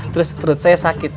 terus perut saya sakit